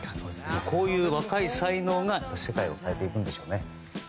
こういう若い才能が世界を変えていくんでしょうね。